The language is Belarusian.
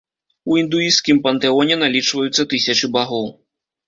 У індуісцкім пантэоне налічваюцца тысячы багоў.